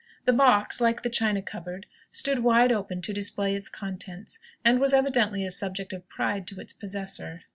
The box, like the china cupboard, stood wide open to display its contents, and was evidently a subject of pride to its possessor.